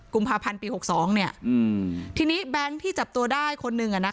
กุมภาพันธ์ปี๖๒ทีนี้แบงค์ที่จับตัวได้คนหนึ่ง